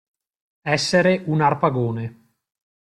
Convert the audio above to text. Essere un Arpagone.